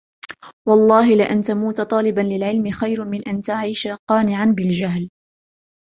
وَاَللَّهِ لَأَنْ تَمُوتَ طَالِبًا لِلْعِلْمِ خَيْرٌ مِنْ أَنْ تَعِيشَ قَانِعًا بِالْجَهْلِ